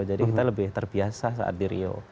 jadi kita lebih terbiasa saat di rio